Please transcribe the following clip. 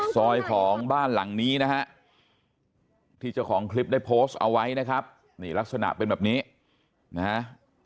ของบ้านหลังนี้นะฮะที่เจ้าของคลิปได้โพสต์เอาไว้นะครับนี่ลักษณะเป็นแบบนี้นะฮะ